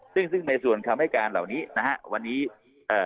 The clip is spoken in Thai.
ซึ่งซึ่งในส่วนคำให้การเหล่านี้นะฮะวันนี้เอ่อ